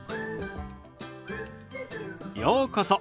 ようこそ。